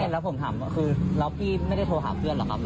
แล้วผมถามคือแล้วพี่ไม่ได้โทรหาเพื่อนหรอกครับ